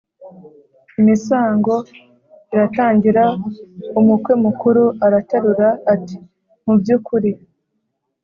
imisango iratangira. Umukwe mukuru araterura ati: “Mu by’ukuri